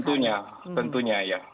tentunya tentunya ya